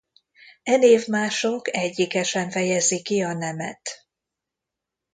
E névmások egyike sem fejezi ki a nemet.